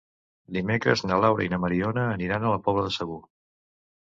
Dimecres na Laura i na Mariona aniran a la Pobla de Segur.